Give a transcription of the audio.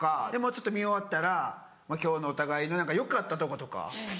見終わったら今日のお互いの良かったとことか。